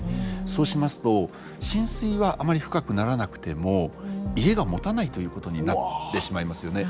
そうしますと浸水はあまり深くならなくても家がもたないということになってしまいますよね。